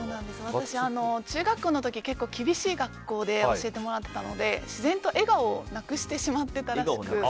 私、中学校の時厳しい学校で教えてもらってたので自然と笑顔をなくしてしまってたらしく。